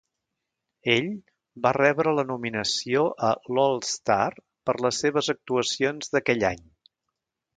Ell va rebre la nominació a l'All-Star per les seves actuacions d'aquell any.